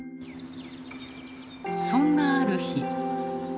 そんなある日。